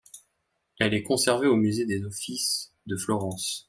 Elle est conservée au musée des Offices de Florence.